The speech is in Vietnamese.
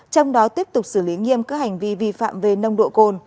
trong đó tiếp tục xử lý nghiêm các hành vi vi phạm về nông độ cồn